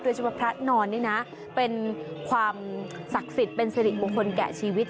เฉพาะพระนอนนี่นะเป็นความศักดิ์สิทธิ์เป็นสิริมงคลแก่ชีวิต